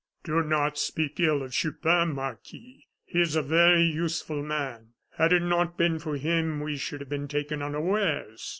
"Do not speak ill of Chupin, Marquis; he is a very useful man. Had it not been for him, we should have been taken unawares.